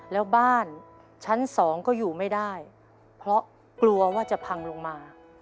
แล้วบ้านชั้นสองก็อยู่ไม่ได้เพราะกลัวว่าจะพังลงมา